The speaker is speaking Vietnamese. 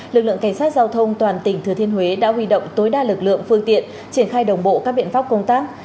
lực lượng cảnh sát giao thông toàn tỉnh thừa thiên huế đã huy động tối đa lực lượng phương tiện triển khai đồng bộ các biện pháp công tác